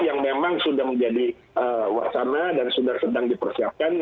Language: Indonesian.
yang memang sudah menjadi wacana dan sudah sedang dipersiapkan